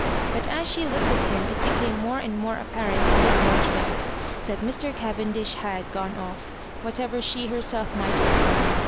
But as she looked at him it became more and more apparent to Miss Mar joribanks that Mr. Cavendish Iiad gone off, whatever she herself might have done.